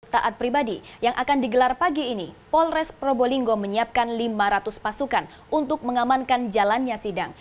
taat pribadi yang akan digelar pagi ini polres probolinggo menyiapkan lima ratus pasukan untuk mengamankan jalannya sidang